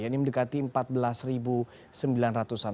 ini mendekati empat belas sembilan ratus an